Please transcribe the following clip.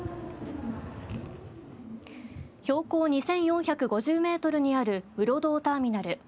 標高２４５０メートルにある室堂ターミナル。